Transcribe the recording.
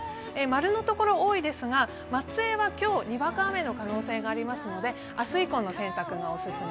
○のところ多いですが、松江は今日にわか雨の可能性があるので明日以降の洗濯がお勧め。